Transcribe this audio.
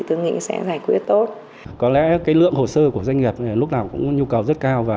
tôi nghĩ sẽ giải quyết tốt có lẽ cái lượng hồ sơ của doanh nghiệp lúc nào cũng nhu cầu rất cao